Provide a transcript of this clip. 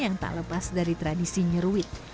yang tak lepas dari tradisi nyeruit